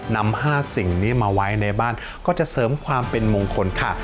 นำ๕สิ่งนี้มาไว้ในบ้านก็จะเสริมความเป็นมงคลค่ะ